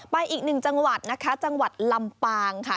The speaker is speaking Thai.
ไปอีก๑จังหวัดนะครับจังหวัดลำปางค่ะ